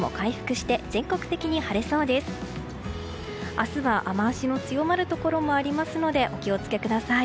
明日は雨脚の強まるところもありますのでお気を付けください。